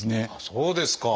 そうですか！